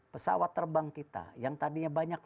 pesawat terbang kita yang tadinya banyak